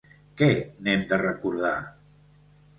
Què n’hem de recordar?